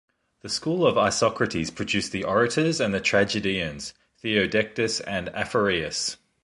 The school of Isocrates produced the orators and tragedians, Theodectes and Aphareus.